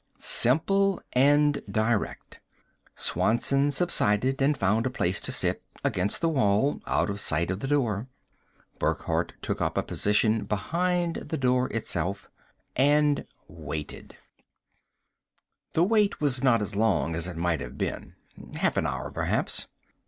Simple and direct. Swanson subsided and found a place to sit, against the wall, out of sight of the door. Burckhardt took up a position behind the door itself And waited. The wait was not as long as it might have been. Half an hour, perhaps.